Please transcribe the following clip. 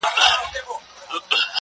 ه تا خو تل تر تله په خپگان کي غواړم~